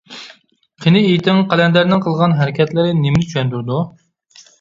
قېنى ئېيتىڭ، قەلەندەرنىڭ قىلغان ھەرىكەتلىرى نېمىنى چۈشەندۈرىدۇ؟